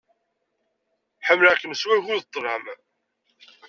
Ḥemmleɣ-kem s wagu d ṭṭlam.